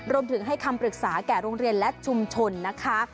รวมถึงให้คำปรึกษาแก่โรงเรียนและชุมชนนะคะ